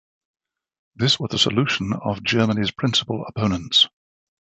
This was the solution of Germany's principal opponents.